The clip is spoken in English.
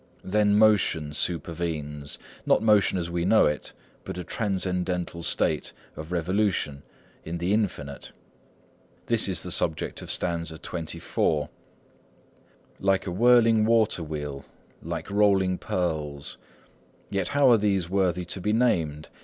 Then motion supervenes; not motion as we know it, but a transcendental state of revolution in the Infinite. This is the subject of stanza xxiv:— "Like a whirling water wheel, Like rolling pearls,— Yet how are these worthy to be named?